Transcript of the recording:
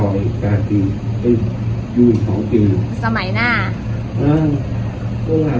ในสมัยหน้า